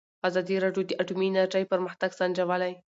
ازادي راډیو د اټومي انرژي پرمختګ سنجولی.